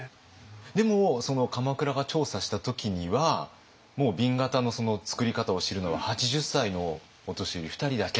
でもその鎌倉が調査した時にはもう紅型の作り方を知るのは８０歳のお年寄り２人だけ。